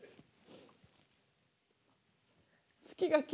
月がきれい。